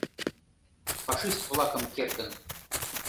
Фашист-влакым кертын